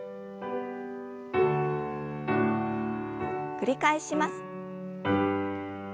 繰り返します。